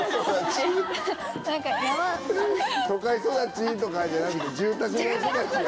都会育ちとかじゃなくて住宅街育ちや。